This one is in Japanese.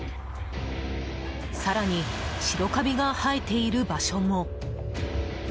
更に白カビが生えている場所も。